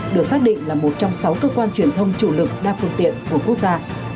được xác định là một trong sáu cơ quan truyền thông chủ lực đa phương tiện của quốc gia